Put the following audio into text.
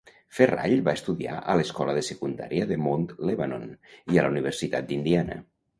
Ferrall va estudiar a l'escola de secundària de Mount Lebanon i a la Universitat d'Indiana.